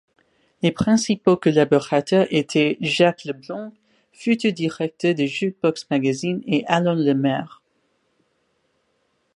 Les principaux collaborateurs étaient Jacques Leblanc, futur directeur de Jukebox magazine et Alain Lemaire.